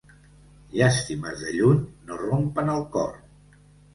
Llàstimes de lluny no rompen el cor.